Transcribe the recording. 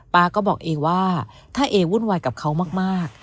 ๊าก็บอกเอว่าถ้าเอวุ่นวายกับเขามาก